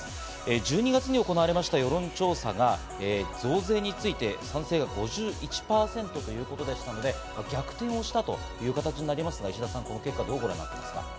１２月に行われた世論調査が増税について賛成が５１％ということでしたので、逆転したという形になりますが、石田さん、どうご覧になりますか？